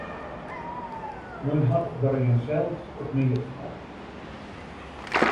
Men hat der jinsels it meast mei.